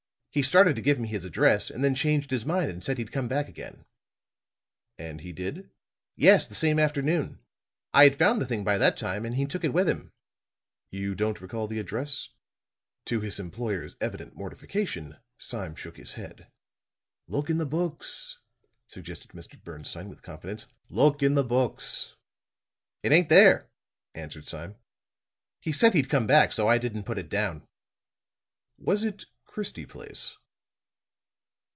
He started to give me his address, and then changed his mind and said he'd come back again." "And he did?" "Yes; the same afternoon. I had found the thing by that time and he took it with him." "You don't recall the address?" To his employer's evident mortification, Sime shook his head. "Look in the books," suggested Mr. Bernstine with confidence. "Look in the books." "It ain't there," answered Sime. "He said he'd come back, so I didn't put it down." "Was it Christie Place?"